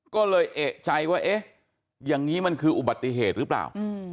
ก็เลยเอกใจว่าเอ๊ะอย่างนี้มันคืออุบัติเหตุหรือเปล่า